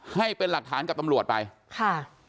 ให้เป็นหลักฐานกับตำรวจไปค่ะ